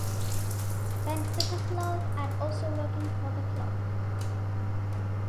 Benfica club and also working for the club.